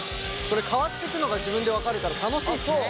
これ変わっていくのが自分で分かるから楽しいですね